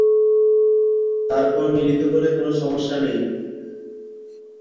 তারপর মিলিত হলে কোনো সমস্যা নেই।